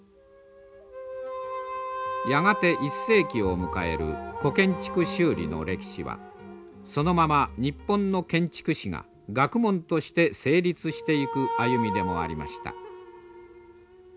やがて１世紀を迎える古建築修理の歴史はそのまま日本の建築史が学問として成立していく歩みでもありました。